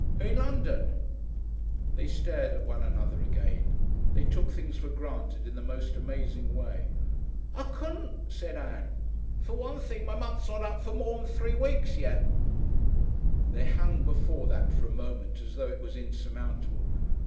"In London." They stared at one another again. They took things for granted in the most amazing way. "I couldn't," said Ann. "For one thing my month's not up for mor'n free weeks yet." They hung before that for a moment as though it was insurmountable.